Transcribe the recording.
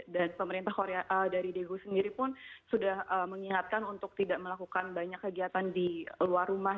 dan pemerintah dari daegu sendiri pun sudah mengingatkan untuk tidak melakukan banyak kegiatan di luar rumah